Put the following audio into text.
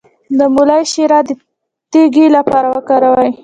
د مولی شیره د تیږې لپاره وکاروئ